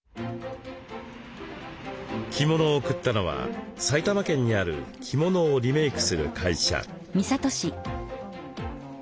着物を送ったのは埼玉県にある着物をリメイクする会社。